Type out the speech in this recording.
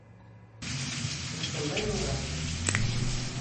Ихсанбай Моратов...